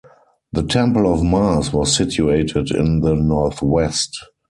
The Temple of Mars was situated in the northwest.